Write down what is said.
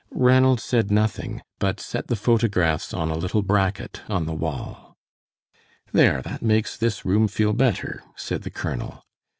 Ranald said nothing, but set the photographs on a little bracket on the wall. "There, that makes this room feel better," said the colonel.